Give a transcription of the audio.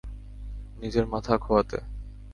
নিজের মাথা খোয়াতে!